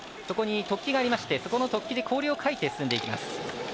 そこに突起がありましてそこの突起で氷をかいて進んでいきます。